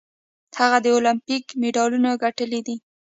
هغه د المپیک مډالونه ګټلي دي.